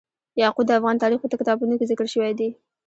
یاقوت د افغان تاریخ په کتابونو کې ذکر شوی دي.